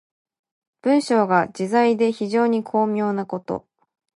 文章が自在で非常に巧妙なこと。